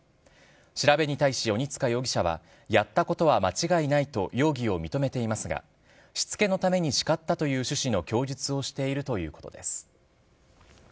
調べに対し、鬼塚容疑者は、やったことは間違いないと容疑を認めていますが、しつけのために叱ったという趣旨の供述をしているということです。